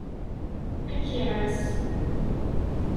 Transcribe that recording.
Ad k-iɛass.